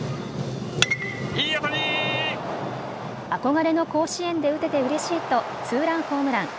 憧れの甲子園で打ててうれしいとツーランホームラン。